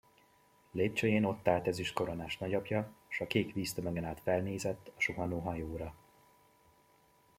Lépcsőjén ott állt ezüstkoronás nagyapja, s a kék víztömegen át felnézett a suhanó hajóra.